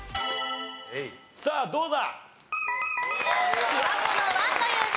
さあどうだ？